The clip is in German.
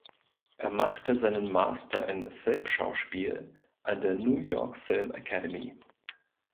Er machte seinen Master in Filmschauspiel an der New York Film Academy.